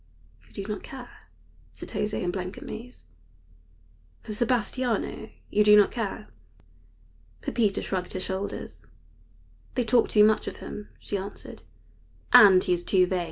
"You do not care," said José, in blank amaze, "for Sebastiano? You do not care?" Pepita shrugged her shoulders. "They talk too much of him," she answered, "and he is too vain.